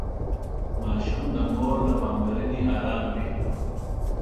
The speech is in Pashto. ماشوم د مور له پاملرنې ارام وي.